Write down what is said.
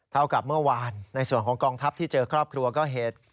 เท่ากับเมื่อวานในส่วนของกองทัพที่เจอครอบครัวก็เหตุ